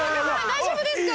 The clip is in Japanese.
大丈夫ですか？